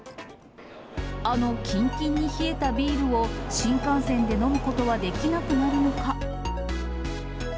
あのきんきんに冷えたビールを、新幹線で飲むことはできなくなるのか？